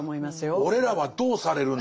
俺らはどうされるんだっていう。